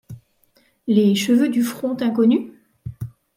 Les cheveux du front inconnu ?